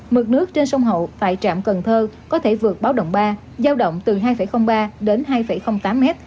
mực nước trên sông hậu tại trạm cần thơ có thể vượt báo động ba giao động từ hai ba m đến hai tám m